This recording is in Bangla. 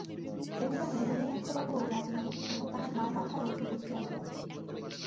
এ বিবাহে নলিনাক্ষবাবুও রাজি নহেন এবং তাঁহার মার মাথায়ও সুবুদ্ধি আসিয়াছে।